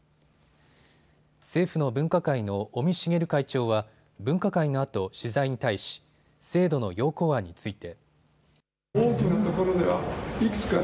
政府の分科会の尾身茂会長は分科会のあと取材に対し制度の要綱案について。